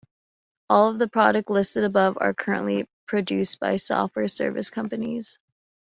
All of the products listed above are currently produced by software service companies.